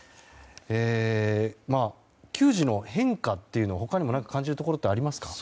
球児の変化というのは他にも感じるところありますか。